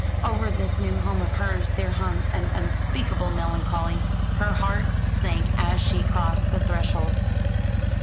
Over this new home of hers there hung an unspeakable melancholy. Her heart sank as she crossed the threshold.